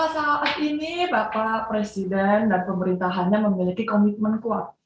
saat ini bapak presiden dan pemerintahannya memiliki komitmen kuat